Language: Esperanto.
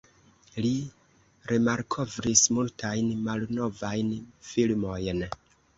Li remalkovris multajn malnovajn filmojn.